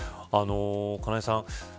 金井さん